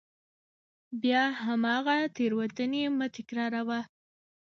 بیا هماغه تېروتنې مه تکراروئ.